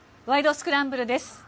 スクランブル」です。